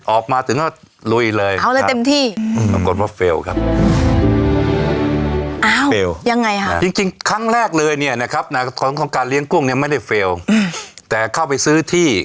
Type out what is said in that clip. ออกมาถึงแล้วลุยเลยเอาเลยเต็มที่